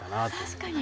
確かに。